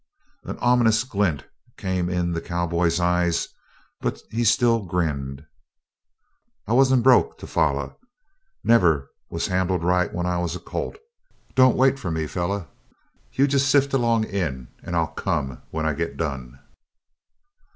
An ominous glint came in the cowboy's eye, but he still grinned. "I wa'nt broke to foller. Never was handled right when I was a colt. Don't you wait fer me, feller, you jest sift along in and I'll come when I git done."